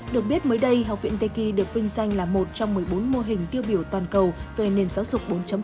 được biết mới đây học viện teki được vinh danh là một trong một mươi bốn mô hình tiêu biểu toàn cầu về nền giáo dục bốn